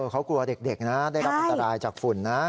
เขากลัวเด็กนะได้รับอันตรายจากฝุ่นนะ